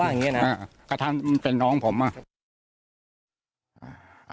อันนี้คำต่ออ้างของผู้ก่อเหตุนะครับทุกผู้ชมครับ